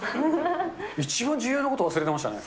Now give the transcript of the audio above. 一番重要なこと、忘れてましたね。